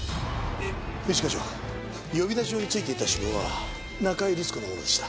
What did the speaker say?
一課長呼び出し状についていた指紋は中井律子のものでした。